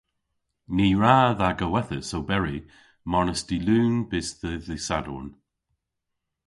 Ny wra dha gowethas oberi marnas dy' Lun bys dhe dh'y Sadorn.